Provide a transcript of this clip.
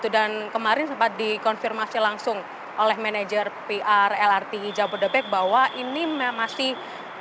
dan kemarin sempat dikonfirmasi langsung oleh manajer pr lrt jabodetabek bahwa ini masih